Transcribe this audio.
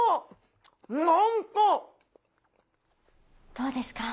どうですか？